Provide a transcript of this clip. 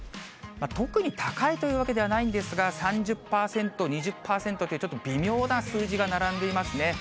特に高いというわけではないんですが、３０％、２０％と、ちょっと微妙な数字が並んでいますね。